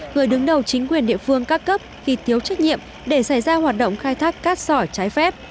người đứng đầu chính quyền địa phương các cấp khi thiếu trách nhiệm để xảy ra hoạt động khai thác cát sỏi trái phép